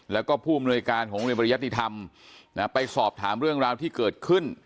แล้วก็ผู้อำนวยการของโรงเรียนบริยติธรรมไปสอบถามเรื่องราวที่เกิดขึ้น